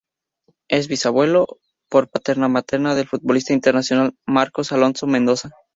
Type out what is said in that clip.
Es bisabuelo, por paterna materna, del futbolista internacional Marcos Alonso Mendoza.